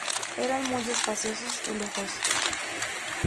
Eran muy espaciosos y lujosos.